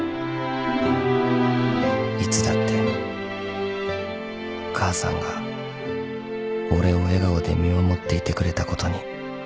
［いつだって母さんが俺を笑顔で見守っていてくれたことに］